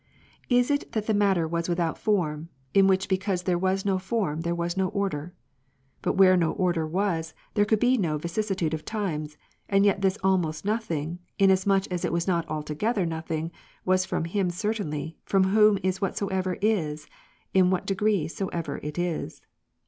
Is it that the matter was without form, in which because there was no form, there was no order. But where no order was, there could be no vicissitude of times : and yet this * almost nothing,' inasmuch as it was not altogether nothing, was from Him certainly, from Whom is whatsoever is, in what degree soever it is."